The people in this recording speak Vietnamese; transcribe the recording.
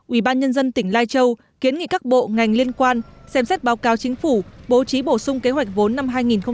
ubnd tỉnh lai châu kiến nghị các bộ ngành liên quan xem xét báo cáo chính phủ bố trí bổ sung kế hoạch vốn năm hai nghìn một mươi chín